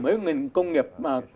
mới công nghiệp